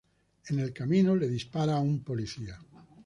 En el camino le dispara a un policía.